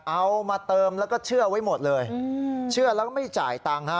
เอามาเติมแล้วก็เชื่อไว้หมดเลยเชื่อแล้วก็ไม่จ่ายตังค์ฮะ